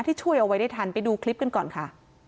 ช่วยเอาไว้ได้ทันไปดูคลิปกันก่อนค่ะ